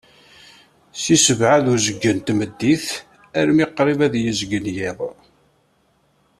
Seg ssebεa dcuzgen n tmeddit armi d qrib ad izeggen yiḍ.